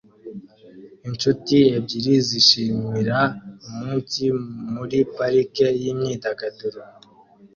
Inshuti ebyiri zishimira umunsi muri parike yimyidagaduro